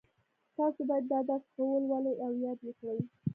تاسو باید دا درس ښه ولولئ او یاد یې کړئ